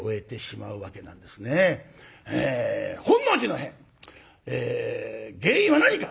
本能寺の変原因は何か。